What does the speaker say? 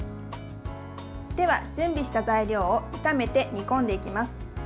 では、準備した材料を炒めて煮込んでいきます。